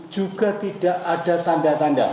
juga tidak ada tanda tanda